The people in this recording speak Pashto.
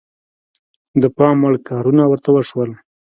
د پام وړ کارونه ورته وشول.